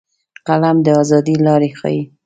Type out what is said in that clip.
قلم د ازادۍ لارې ښيي